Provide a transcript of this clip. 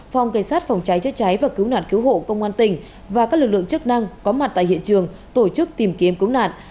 phòng cảnh sát phòng cháy chế cháy và cứu nạn cứu hộ công an tỉnh và các lực lượng chức năng có mặt tại hiện trường tổ chức tìm kiếm cứu nạn